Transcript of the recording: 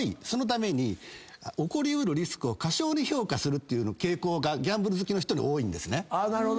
そのために起こり得るリスクを過小に評価するっていう傾向がギャンブル好きの人に多いんですね。